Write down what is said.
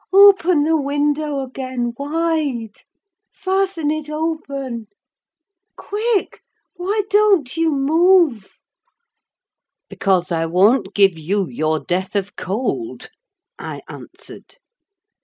Open the window again wide: fasten it open! Quick, why don't you move?" "Because I won't give you your death of cold," I answered.